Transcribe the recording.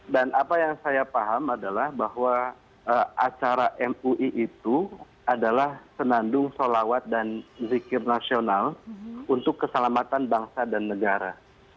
dan apa yang saya paham adalah bahwa acara mui itu adalah senandung solawat dan zikir nasional untuk keselamatan bangsa dan negara